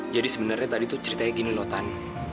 jadi sebenarnya tadi tuh ceritanya gini loh tan